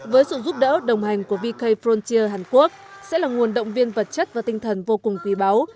với sự giúp đỡ đồng hành của vk frontier hàn quốc sẽ là nguồn động viên vật chất và tinh thần vô cùng quý báu